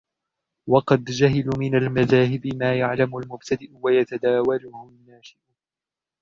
وَقَدْ جَهِلُوا مِنْ الْمَذَاهِبِ مَا يَعْلَمُ الْمُبْتَدِئُ وَيَتَدَاوَلُهُ النَّاشِئُ